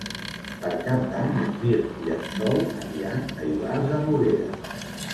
Per Cap d'Any en Mirt i en Sol aniran a Ivars de Noguera.